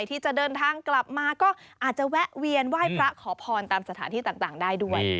ที่จะเดินทางกลับมาก็อาจจะแวะเวียนไหว้พระขอพรตามสถานที่ต่างได้ด้วย